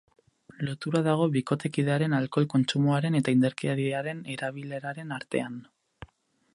Lotura dago bikotekidearen alkohol kontsumoaren eta indarkeriaren erabileraren artean.